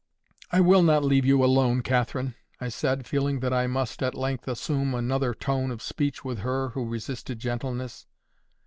"I will not leave you alone, Catherine," I said, feeling that I must at length assume another tone of speech with her who resisted gentleness.